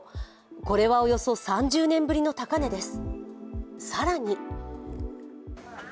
これはおよそ３０年ぶりの高値です。